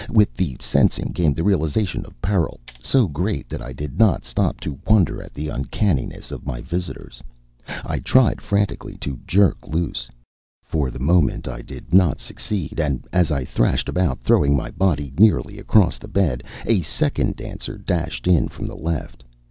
With the sensing came the realization of peril, so great that I did not stop to wonder at the uncanniness of my visitors. I tried frantically to jerk loose. For the moment I did not succeed and as I thrashed about, throwing my body nearly across the bed, a second dancer dashed in from the left.